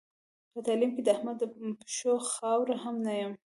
په تعلیم کې د احمد د پښو خاوره هم نه یم.